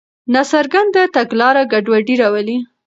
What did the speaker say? ناڅرګنده تګلاره ګډوډي راولي.